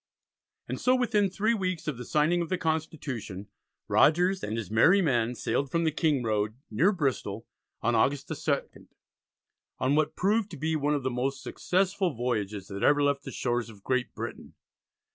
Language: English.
And so, within three weeks of the signing of the Constitution, Rogers and his merry men sailed from the King Road, near Bristol, on August the 2nd, on what proved to be one of the most successful voyages that ever left the shores of Great Britain.